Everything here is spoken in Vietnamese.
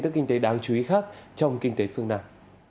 tức kinh tế đáng chú ý khác trong kinh tế phương nam